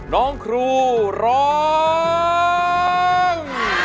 น้องครูร้อง